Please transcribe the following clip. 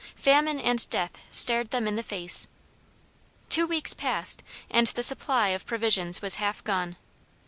Famine and death stared them in the face. Two weeks passed and the supply of provisions was half gone.